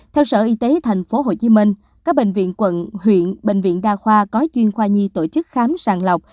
theo sở y tế tp hcm các bệnh viện quận huyện bệnh viện đa khoa có chuyên khoa nhi tổ chức khám sàng lọc